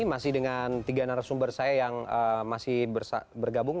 masih dengan tiga narasumber saya yang masih bergabung